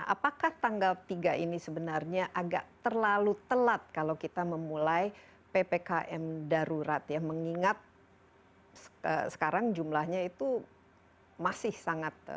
apakah tanggal tiga ini sebenarnya agak terlalu telat kalau kita memulai ppkm darurat ya mengingat sekarang jumlahnya itu masih sangat